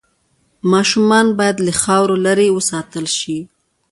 ماشومان باید له خاورو لرې وساتل شي۔